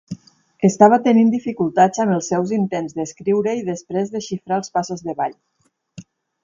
Estava tenint dificultats amb els seus intents d'escriure i després desxifrar els passos de ball.